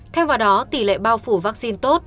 theo vào đó tỷ lệ bao phủ vaccine tốt